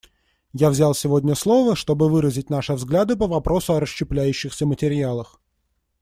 Я взял сегодня слово, чтобы выразить наши взгляды по вопросу о расщепляющихся материалах.